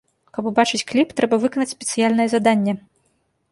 Каб убачыць кліп, трэба выканаць спецыяльнае заданне.